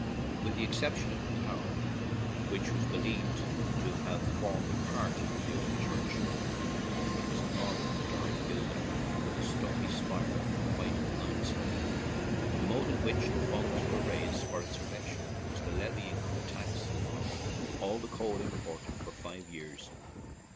With the exception of the tower, which was be lieved to have formed part of the old church, it was a modern Doric building, with a stumpy spire of white limestone. The mode in which the funds were raised for its erection was the levying of a tax on all the coal imported for five years.